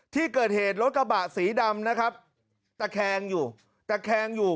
ที่เกิดเหตุรถกระบะสีดำนะครับตะแคงอยู่ตะแคงอยู่